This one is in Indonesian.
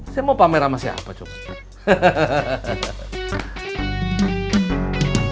saya mau pamer sama siapa coba